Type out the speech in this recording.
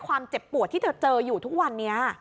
เจ็บปวดที่เธอเจออยู่ทุกวันนี้